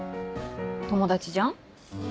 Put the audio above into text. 友達じゃん。